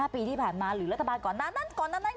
๔๕ปีที่ผ่านมาหรือรัฐบาลก่อนก่อนนั้น